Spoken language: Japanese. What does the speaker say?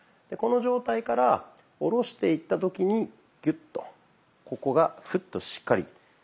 この状態から下ろしていった時にギュッとここがフッとしっかり。